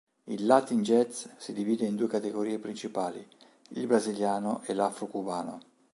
Il latin jazz si divide in due categorie principali: il brasiliano e l'afro-cubano.